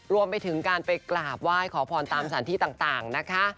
รวมไปถึงการไปกราบไหว้ขอพรตามสถานที่ต่างนะคะ